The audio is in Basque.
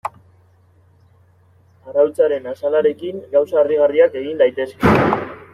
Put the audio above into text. Arrautzaren azalarekin gauza harrigarriak egin daitezke.